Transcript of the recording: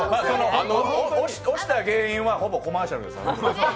押した原因はほぼコマーシャルです。